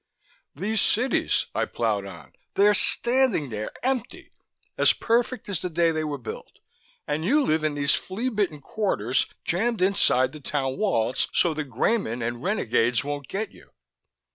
"These cities," I ploughed on. "They're standing there, empty, as perfect as the day they were built. And you live in these flea bitten quarters, jammed inside the town walls, so the Greymen and renegades won't get you."